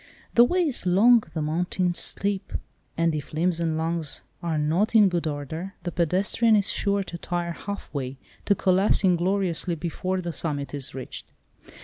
"The way is long, the mountain steep," and if limbs and lungs are not in good order, the pedestrian is sure to tire half way, to collapse ingloriously before the summit is reached.